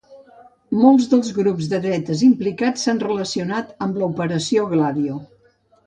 Molts dels grups de dretes implicats s"han relacionat amb l"Operació Gladio.